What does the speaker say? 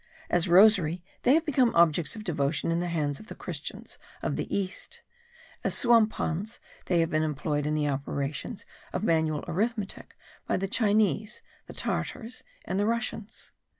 As rosaries, they have become objects of devotion in the hands of the Christians of the East; as suampans, they have been employed in the operations of manual arithmetic by the Chinese, the Tartars, and the Russians.